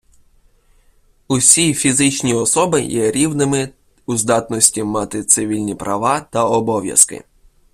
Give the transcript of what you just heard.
Усі фізичні особи є рівними у здатності мати цивільні права та обов'язки.